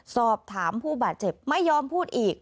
สอบถามผู้บาดเจ็บไม่ยอมพูดอีก